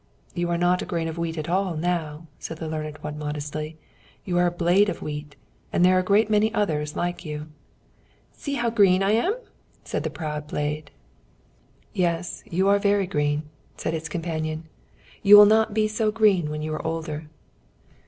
"You are not a grain of wheat at all now," said the learned one, modestly. "You are a blade of wheat, and there are a great many others like you." "See how green I am!" said the proud blade. "Yes, you are very green," said its companion. "You will not be so green when you are older."